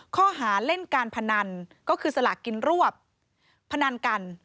ข้อหาเล่นการพนันก็คือสลากกินรวบพนันกัน